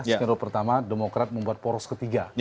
skenario pertama demokrat membuat poros ketiga